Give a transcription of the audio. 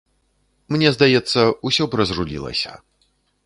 Мне здаецца, усё б разрулілася.